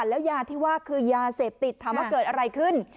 แล้วยาที่ว่าคือยาเสพติดถามว่าเกิดอะไรขึ้น